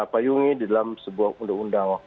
payungi di dalam sebuah undang undang